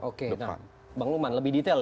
oke nah bang luman lebih detail